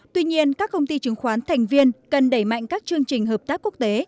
tuy nhiên các công ty chứng khoán thành viên cần đẩy mạnh các chương trình hợp tác quốc tế